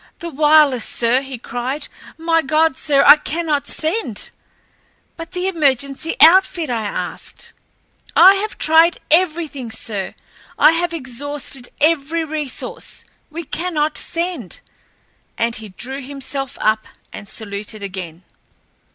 "The wireless, sir!" he cried. "My God, sir, I cannot send." "But the emergency outfit?" I asked. "I have tried everything, sir. I have exhausted every resource. We cannot send," and he drew himself up and saluted again.